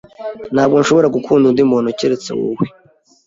Ntabwo nshobora gukunda undi muntu keretse wowe.